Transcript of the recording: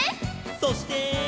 そして。